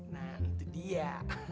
nah itu dia